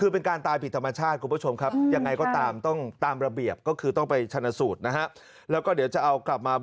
เพราะว่าทางวัดก็เด็กวัดใช่ไหม